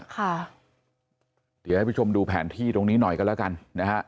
เดี๋ยวให้ผู้ชมดูแผนที่ตรงนี้หน่อยกันแล้วกันนะฮะ